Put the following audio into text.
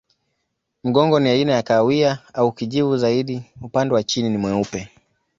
Mgongo ni aina ya kahawia au kijivu zaidi, upande wa chini ni mweupe.